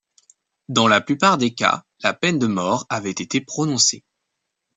Dans la plupart des cas, la peine de mort avait été prononcée.